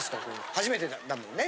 初めてだもんね？